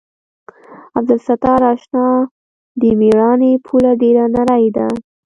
عبدالستاره اشنا د مېړانې پوله ډېره نرۍ ده.